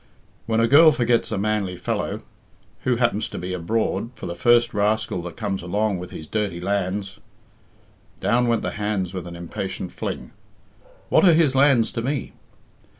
"When a girl forgets a manly fellow, who happens to be abroad, for the first rascal that comes along with his dirty lands " Down went the hands with an impatient fling. "What are his lands to me?"